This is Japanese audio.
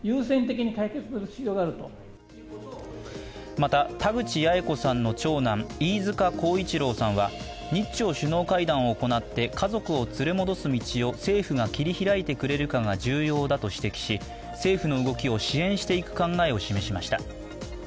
また、田口八重子さんの長男、飯塚耕一郎さんは日朝首脳会談を行って家族を連れ戻す道を政府が切り開いてくれるかが重要だと指摘し政府の動きを支援していく考えを示しました。